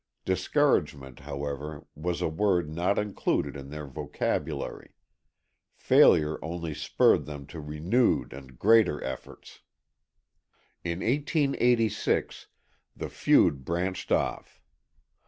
Discouragement, however, was a word not included in their vocabulary. Failure only spurred them to renewed and greater efforts. In 1886 the feud branched off.